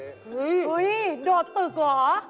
เฮ้ยโดดตึกเหรอ